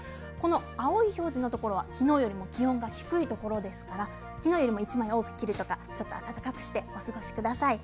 青い表示のところは昨日よりも気温が低いところですから昨日よりも１枚多く着るとか温かくしてお過ごしください。